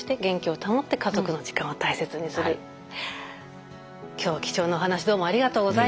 今日は貴重なお話どうもありがとうございました。